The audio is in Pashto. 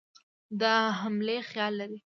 د حملې خیال لري.